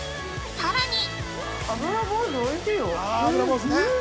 さらに！